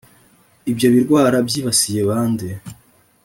ibyo birwara byibasiye ba nde?